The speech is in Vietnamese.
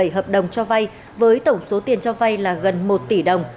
một trăm một mươi bảy hợp đồng cho vay với tổng số tiền cho vay là gần một tỷ đồng